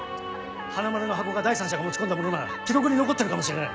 「はなまる」の箱が第三者が持ち込んだものなら記録に残ってるかもしれない。